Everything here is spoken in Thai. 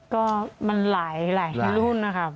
ก็มันหลายหลายหลุ่นนะครับ